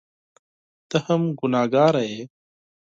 ته هم ګنهکاره یې !